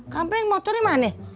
kampleng mau cari mana